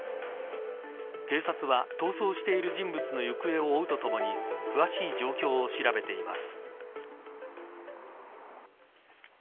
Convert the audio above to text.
警察は、逃走している人物の行方を追うとともに詳しい状況を調べています。